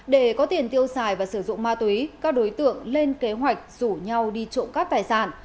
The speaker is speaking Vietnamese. để có tiền tiêu xài và sử dụng ma túy các đối tượng lên kế hoạch rủ nhau đi trộm cắp tài sản